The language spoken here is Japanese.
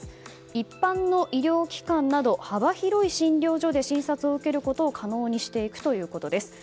一般の医療機関など幅広い診療所で診察を受けることを可能にしていくということです。